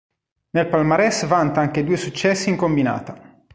Nel palmarès vanta anche due successi in combinata.